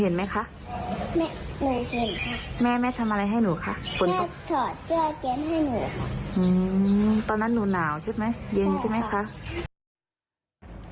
ตอนนั้นหนูหนาวใช่ไหมเย็นใช่ไหมคะ